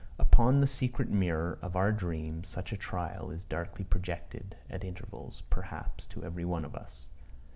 Upon the secret mirror of our dreams such a trial is darkly projected at intervals, perhaps, to every one of us.